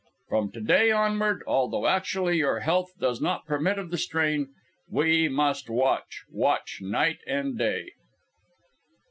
From to day onward, although actually your health does not permit of the strain, we must watch, watch night and day."